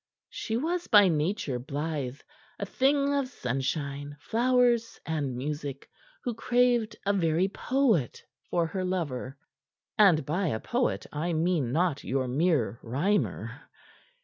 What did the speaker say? She was by nature blythe; a thing of sunshine, flowers and music, who craved a very poet for her lover; and by "a poet" I mean not your mere rhymer.